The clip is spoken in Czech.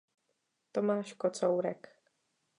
Tomáš Kocourek.